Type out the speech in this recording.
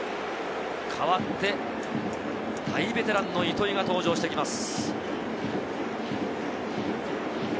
代わって大ベテランの糸井が登場してきます。